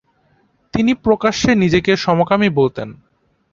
তিনি প্রকাশ্যে নিজেকে সমকামী বলতেন।